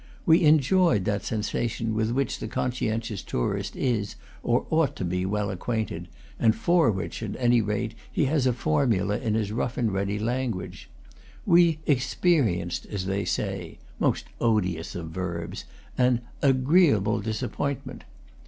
We enjoyed that sensation with which the conscientious tourist is or ought to be well acquainted, and for which, at any rate, he has a formula in his rough and ready language. We "experienced," as they say, (most odious of verbs!) an "agreeable disappointment."